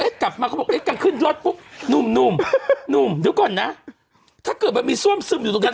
ตักกินใหญ่เลยนะ